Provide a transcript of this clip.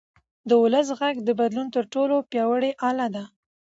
د ولس غږ د بدلون تر ټولو پیاوړی اله ده